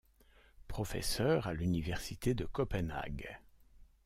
Professeur à l'université de Copenhague.